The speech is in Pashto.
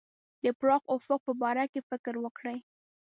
د پراخ افق په باره کې فکر وکړي.